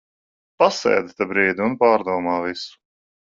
Pasēdi te brīdi un pārdomā visu.